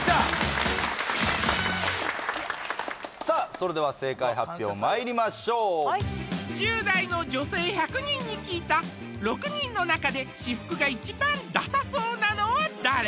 さあそれでは正解発表まいりましょう１０代の女性１００人に聞いた６人の中で私服が一番ダサそうなのは誰？